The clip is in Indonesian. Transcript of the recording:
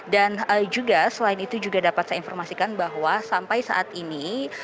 dan juga selain itu juga dapat saya informasikan bahwa sampai saat ini